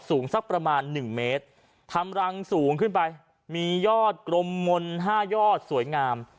สูงสักประมาณ๑เมตรทำรังสูงขึ้นไปมียอดกลมมนต์๕ยอดสวยงาม